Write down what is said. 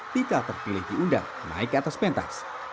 tika terpilih diundang naik ke atas pentas